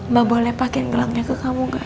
mbak boleh pakai gelangnya ke kamu gak